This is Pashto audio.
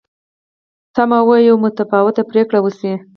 تمه وه یوه متفاوته پرېکړه وشي.